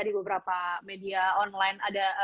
di beberapa media online ada